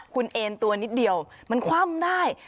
คุณเอ็นตัวนิดเดียวมันคว่ำได้